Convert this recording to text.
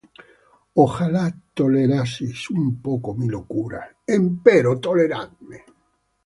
Ojala toleraseis un poco mi locura; empero toleradme.